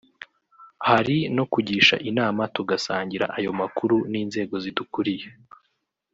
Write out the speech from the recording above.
hari no kugisha inama tugasangira ayo makuru n’inzego zidukuriye